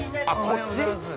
◆こっち？